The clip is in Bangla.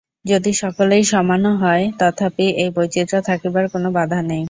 যদি সকলেই সমানও হয়, তথাপি এই বৈচিত্র্য থাকিবার কোন বাধা নাই।